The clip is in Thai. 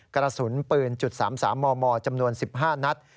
กระสุนปืนจนจนจำนวน๑๕นัตร